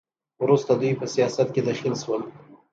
وروسته دوی په سیاست کې دخیل شول.